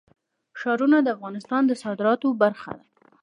ښارونه د افغانستان د صادراتو برخه ده.